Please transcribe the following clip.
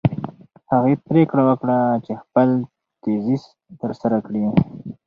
هغې پرېکړه وکړه چې خپل تیزیس ترسره کړي.